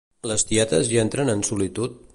Les tietes hi entren en solitud?